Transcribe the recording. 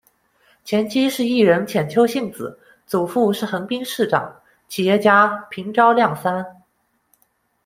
前妻是艺人浅丘信子，祖父是横滨市长，企业家平沼亮三。